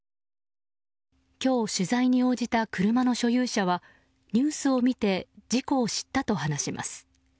今日取材に応じた車の所有者はニュースを見て事故を知ったと話します。